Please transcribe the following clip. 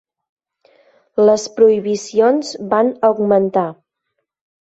Les prohibicions van augmentar.